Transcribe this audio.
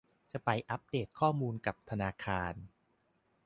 จะไปอัพเดทข้อมูลกับธนาคาร